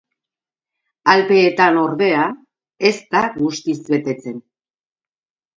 Alpeetan, ordea, ez da guztiz betetzen.